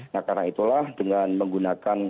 nah karena itulah dengan menggunakan